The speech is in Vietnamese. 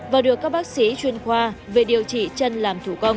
và được các bác sĩ chuyên khoa về điều trị chân làm thủ công